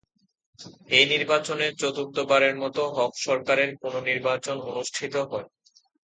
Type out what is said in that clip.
এই নির্বাচনে চতুর্থ বারের মতো হক সরকারের পুনঃনির্বাচন অনুষ্ঠিত হয়।